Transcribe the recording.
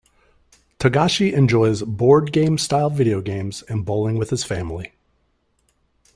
Togashi enjoys board-game-style video games and bowling with his family.